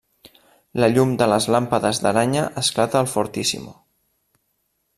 La llum de les làmpades d'aranya esclata al fortissimo.